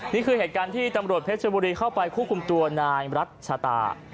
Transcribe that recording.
นี่คือเหตุการณ์ที่ตำรวจเพชรบุรีเข้าไปควบคุมตัวนายรัชตา